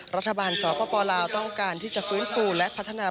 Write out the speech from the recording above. รัฐบาลสปลาวต้องการที่จะฟื้นฟูและพัฒนา